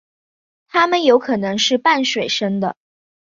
它们有可能是半水生的。